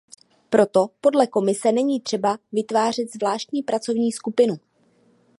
Proto podle Komise není třeba vytvářet zvláštní pracovní skupinu.